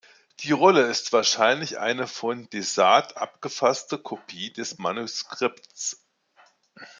Die Rolle ist wahrscheinlich eine von de Sade abgefasste Kopie des Manuskripts.